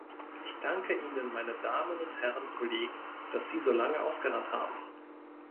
Ich danke Ihnen, meine Damen und Herren Kollegen, dass Sie so lange ausgeharrt haben!